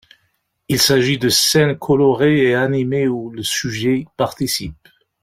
Il s'agit de scènes colorées et animées où le sujet participe.